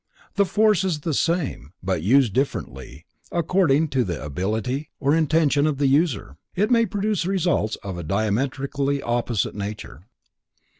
The force is the same, but used differently, according to the ability or intention of the user, it may produce results of a diametrically opposite nature.